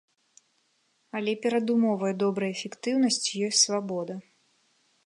Але перадумоваю добрай эфектыўнасці ёсць свабода.